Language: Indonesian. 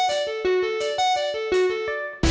liat gue cabut ya